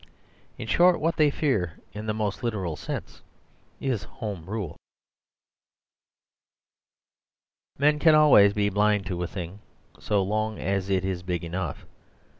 In short, what they fear, in the most literal sense, is home rule. Men can always be blind to a thing so long as it is big enough.